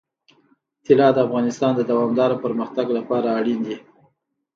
طلا د افغانستان د دوامداره پرمختګ لپاره اړین دي.